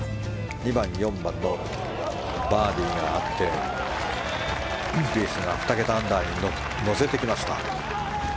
２番、４番バーディーがあってスピースが２桁アンダーに乗せてきました。